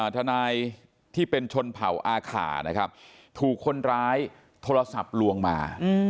ทนายที่เป็นชนเผ่าอาขานะครับถูกคนร้ายโทรศัพท์ลวงมา